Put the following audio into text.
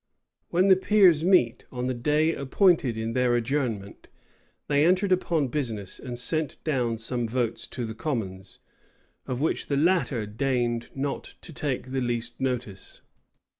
When the peers met, on the day appointed in their adjournment, they entered upon business, and sent down some votes to the commons, of which the latter deigned not to take the least notice.